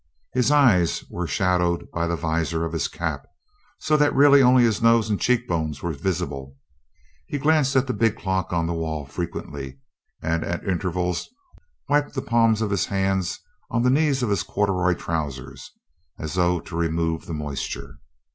His eyes were shadowed by the visor of his cap, so that really only his nose and cheek bones were visible. He glanced at the big clock on the wall frequently, and at intervals wiped the palms of his hands on the knees of his corduroy trousers as though to remove the moisture.